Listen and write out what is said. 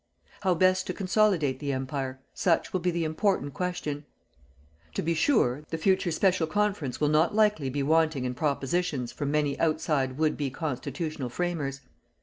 How best to consolidate the Empire, such will be the important question. To be sure, the future special Conference will not likely be wanting in propositions from many outside would be constitutional framers.